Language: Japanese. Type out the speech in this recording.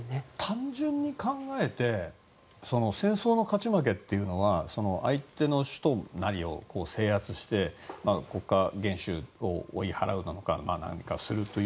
単純に考えて戦争の勝ち負けというのは相手の首都なりを制圧して国家元首等を追い払うなのか何かするという。